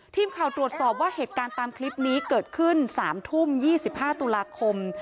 ทีมข่าวตรวจสอบว่าเหตุการณ์ตามคลิปนี้เกิดขึ้น๓ทุ่ม๒๕ตุลาคม